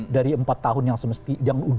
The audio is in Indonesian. dari empat tahun yang semestinya